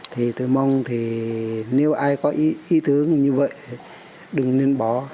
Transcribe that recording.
thì tôi mong nếu ai có ý tưởng như vậy đừng nên bỏ